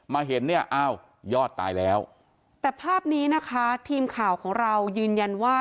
เห็นเนี่ยอ้าวยอดตายแล้วแต่ภาพนี้นะคะทีมข่าวของเรายืนยันว่า